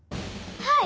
はい！